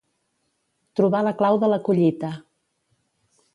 Trobar la clau de la collita.